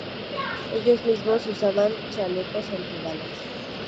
Ellos mismos usaban chalecos antibalas.